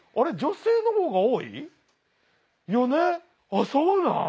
あっそうなん？